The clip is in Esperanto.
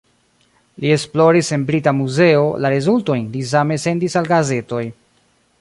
Li esploris en Brita Muzeo, la rezultojn li same sendis al gazetoj.